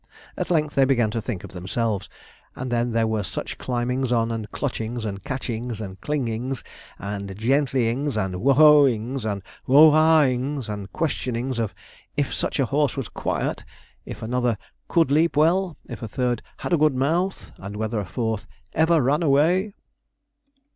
At length they began to think of themselves, and then there were such climbings on, and clutchings, and catchings, and clingings, and gently ings, and who ho ings, and who ah ings, and questionings if 'such a horse was quiet?' if another 'could leap well?' if a third 'had a good mouth?' and whether a fourth 'ever ran away?'